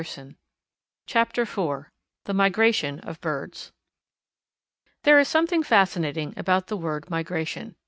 CHAPTER IV THE MIGRATION OF BIRDS There is something fascinating about the word migration.